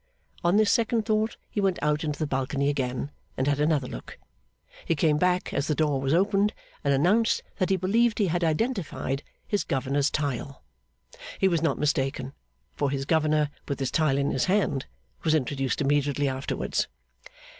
On this second thought he went out into the balcony again and had another look. He came back as the door was opened, and announced that he believed he had identified 'his governor's tile.' He was not mistaken, for his governor, with his tile in his hand, was introduced immediately afterwards.